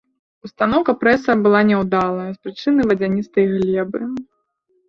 Устаноўка прэса была няўдалая з прычыны вадзяністай глебы.